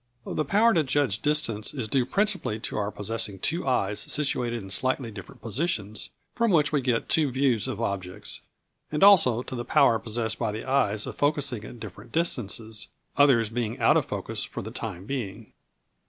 The power to judge distance is due principally to our possessing two eyes situated in slightly different positions, from which we get two views of objects, and also to the power possessed by the eyes of focussing at different distances, others being out of focus for the time being.